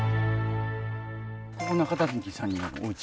ここ中谷さんのおうち？